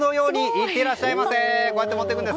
いってらっしゃいませ！